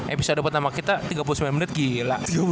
episode pertama kita tiga puluh sembilan menit gila